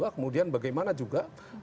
kemudian bagaimana juga